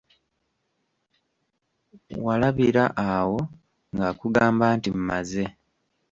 Walabira awo ng'akugamba nti: "Mmaze."